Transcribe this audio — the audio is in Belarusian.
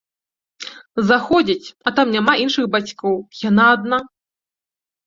Заходзіць, а там няма іншых бацькоў, яна адна!